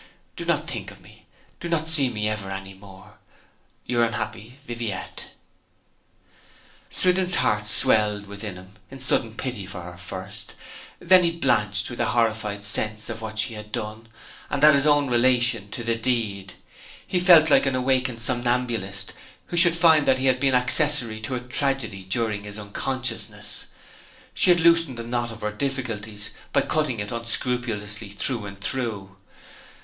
Do not think of me. Do not see me ever any more. Your unhappy 'VIVIETTE.' Swithin's heart swelled within him in sudden pity for her, first; then he blanched with a horrified sense of what she had done, and at his own relation to the deed. He felt like an awakened somnambulist who should find that he had been accessory to a tragedy during his unconsciousness. She had loosened the knot of her difficulties by cutting it unscrupulously through and through.